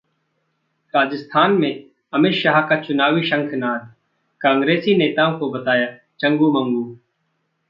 राजस्थान में अमित शाह का चुनावी शंखनाद, कांग्रेसी नेताओं को बताया चंगू-मंगू